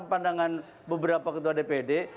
pandangan beberapa ketua dpd